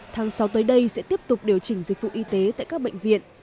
tháng sáu tới đây sẽ tiếp tục điều chỉnh dịch vụ y tế tại các bệnh viện